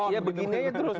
ya begini aja terus